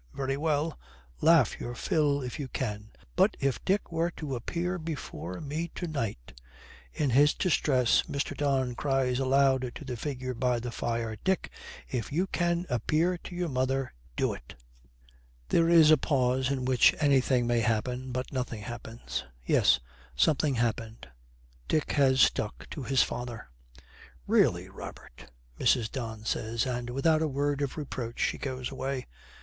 Very well, laugh your fill if you can. But if Dick were to appear before me to night ' In his distress Mr. Don cries aloud to the figure by the fire, 'Dick, if you can appear to your mother, do it.' There is a pause in which anything may happen, but nothing happens. Yes, something happened: Dick has stuck to his father. 'Really, Robert!' Mrs. Don says, and, without a word of reproach, she goes away.